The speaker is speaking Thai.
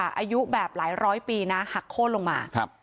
อายุแบบหลายร้อยปีนะหักโค้นลงมาครับ